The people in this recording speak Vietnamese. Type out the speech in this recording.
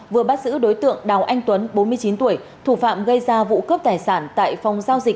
vừa bắt giữ đối tượng đào anh tuấn bốn mươi chín tuổi thủ phạm gây ra vụ cướp tài sản tại phòng giao dịch